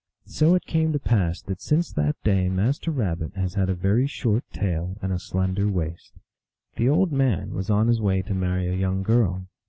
So it came to pass tiiat since that day Master Rabbit has had a very short tail and a slender waist. The old man was on his way to marry a young girl.